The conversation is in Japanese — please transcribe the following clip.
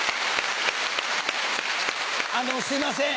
あのすいません